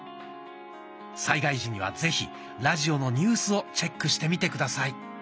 災害時にはぜひラジオのニュースをチェックしてみて下さい。